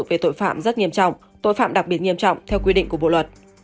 về tội phạm rất nghiêm trọng tội phạm đặc biệt nghiêm trọng theo quy định của bộ luật